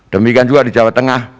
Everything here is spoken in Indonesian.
demikian juga di jawa tengah